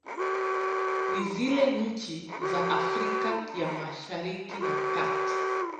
Ni zile nchi za Afrika ya mashariki na kati